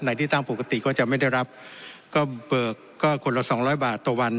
ที่ตั้งปกติก็จะไม่ได้รับก็เบิกก็คนละสองร้อยบาทต่อวัน